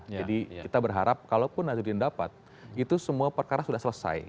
jadi kita berharap kalaupun nazarudin dapat itu semua perkara sudah selesai